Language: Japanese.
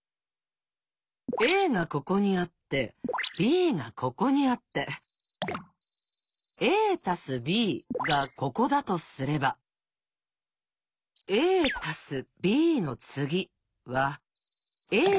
「ａ」がここにあって「ｂ」がここにあって「ａ＋ｂ」がここだとすれば「ａ」＋「ｂの次」はのすぐ隣。